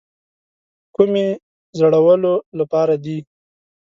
کومې زړولو لپاره دي.